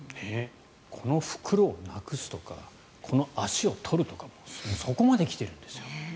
この袋をなくすとかこの脚を取るとかそこまで来ているんですよ。